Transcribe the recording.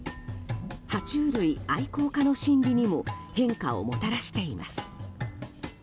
爬虫類愛好家の心理にも変化をもたらしています。